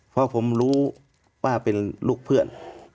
เพราะผมรู้ว่าเป็นลูกเพื่อน